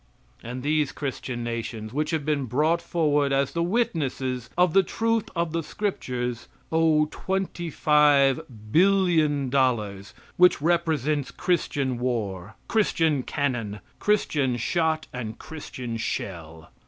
And these Christian nations which have been brought forward as the witnesses of the truth of the scriptures owe $25,000,000,000, which represents Christian war, Christian cannon, Christian shot, and Christian shell.